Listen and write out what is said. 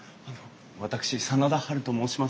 私真田ハルと申します。